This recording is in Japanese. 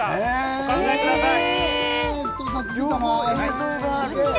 お考えください。